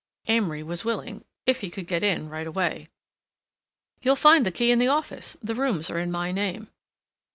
Amory was willing, if he could get in right away. "You'll find the key in the office; the rooms are in my name."